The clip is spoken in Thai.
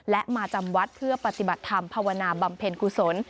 และมาจำวัดเพื่อปฏิบัติธรรมภาวนาบำเพ็ญกุศล